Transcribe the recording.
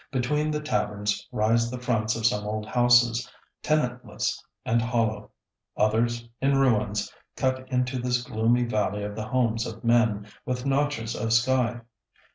Between the taverns rise the fronts of some old houses, tenantless and hollow; others, in ruins, cut into this gloomy valley of the homes of men with notches of sky.